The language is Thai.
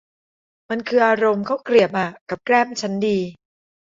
มันคืออารมณ์ข้าวเกรียบอะ กับแกล้มชั้นดี